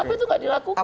kenapa itu gak dilakukan